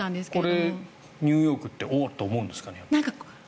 これ、ニューヨークっておっと思うんですかね。